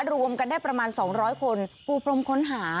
รวมกันได้ประมาณ๒๐๐คนปูพรมค้นหา